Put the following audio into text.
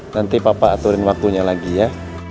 nanti papa aturin waktunya lagi ya